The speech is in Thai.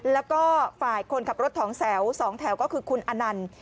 แล้วก็ฝ่ายคนขับรถถองแซวสองแถวก็คือคุณอานนัน